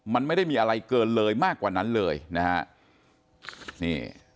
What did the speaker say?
มันไม่ได้มีอะไรเกินเลยมากกว่านั้นเลยนะฮะนี่